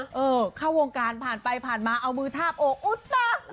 เออเข้าวงการผ่านไปผ่านมาเอามือทาบอกอุตตะ